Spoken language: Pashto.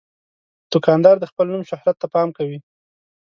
دوکاندار د خپل نوم شهرت ته پام کوي.